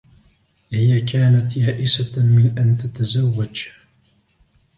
هىَ كانت يائسة من أن تتزوج.